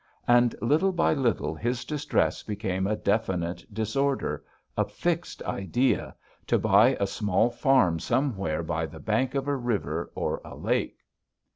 And little by little his distress became a definite disorder, a fixed idea to buy a small farm somewhere by the bank of a river or a lake.